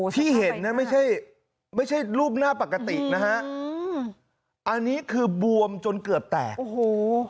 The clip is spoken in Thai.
ที่เห็นนั้นไม่ใช่ไม่ใช่รูปหน้าปกตินะฮะอืมอันนี้คือบวมจนเกือบแตกโอ้โห